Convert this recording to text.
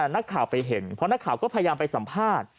นักข่าวไปเห็นเพราะนักข่าวก็พยายามไปสัมภาษณ์